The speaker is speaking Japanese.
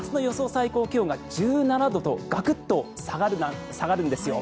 最高気温が１７度とガクッと下がるんですよ。